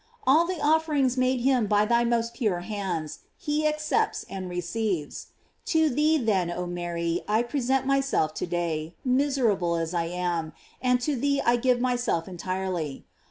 All the offerings made him by thy most pure hands he accepts and re ceives. To thee, then, oh Mary, I present my self to day, miserable as I am, and to thee I give myself entirely.